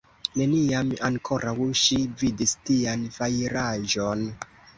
Neniam ankoraŭ ŝi vidis tian fajraĵon.